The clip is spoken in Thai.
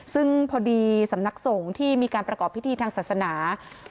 ซึ่งพอดีสำนักสงฆ์ที่มีการประกอบพิธีทางศาสนา